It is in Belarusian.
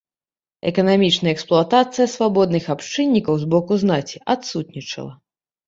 Эканамічная эксплуатацыя свабодных абшчыннікаў з боку знаці адсутнічала.